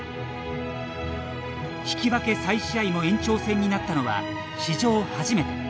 引き分け再試合も延長戦になったのは史上初めて。